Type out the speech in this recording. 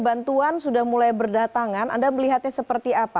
bantuan sudah mulai berdatangan anda melihatnya seperti apa